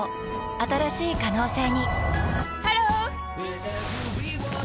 新しい可能性にハロー！